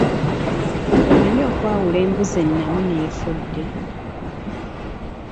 Omanyi okwawula embuzi ennamu n'efudde.